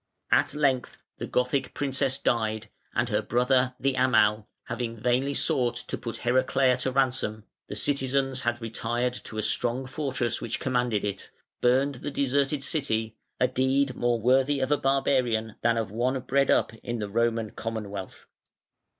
At length the Gothic princess died, and her brother, the Amal, having vainly sought to put Heraclea to ransom (the citizens had retired to a strong fortress which commanded it), burned the deserted city, a deed more worthy of a barbarian than of one bred up in the Roman Commonwealth.